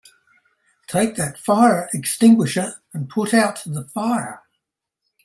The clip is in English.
Take that fire extinguisher and put out the fire!